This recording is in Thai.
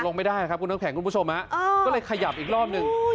ลงไม่ได้ครับคุณพลวดผู้ชมก็เลยขยับอีกรอบนึง